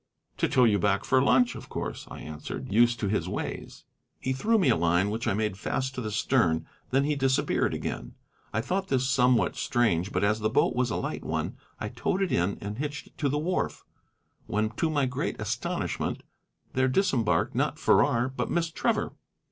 "To tow you back for lunch, of course," I answered, used to his ways. He threw me a line, which I made fast to the stern, and then he disappeared again. I thought this somewhat strange, but as the boat was a light one, I towed it in and hitched it to the wharf, when, to my great astonishment, there disembarked not Farrar, but Miss Trevor.